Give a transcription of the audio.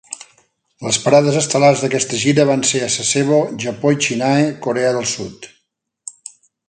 Les parades estel·lars d'aquesta gira van ser a Sasebo, Japó i Chinhae, Corea del Sud.